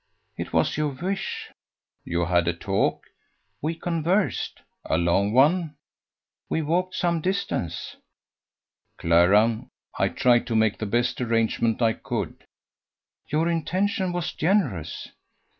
"It was your wish." "You had a talk?" "We conversed." "A long one?" "We walked some distance." "Clara, I tried to make the best arrangement I could." "Your intention was generous."